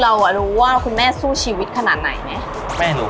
มีขอเสนออยากให้แม่หน่อยอ่อนสิทธิ์การเลี้ยงดู